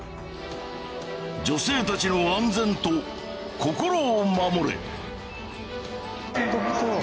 女性たちの安全と心を守れ！